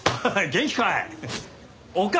元気かい？